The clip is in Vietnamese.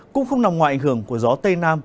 cũng không nằm ngoài ảnh hưởng của gió tây nam